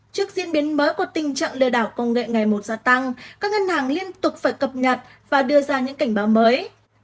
trước diễn biến mới của tình trạng lừa đảo công nghệ ngày một gia tăng các ngân hàng liên tục phải cập nhật và đưa ra những cảnh báo mới